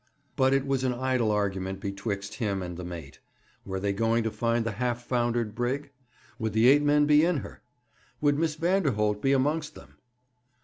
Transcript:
But it was an idle argument betwixt him and the mate. Were they going to find the half foundered brig? Would the eight men be in her? Would Miss Vanderholt be amongst them?